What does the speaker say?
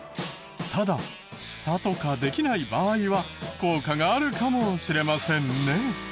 ただフタとかできない場合は効果があるかもしれませんね。